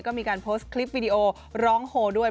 ก็มีการโพสต์คลิปวิดีโอร้องโฮด้วย